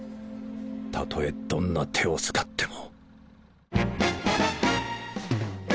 たとえどんな手を使っても。